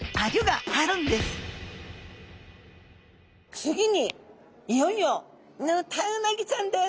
つぎにいよいよヌタウナギちゃんです。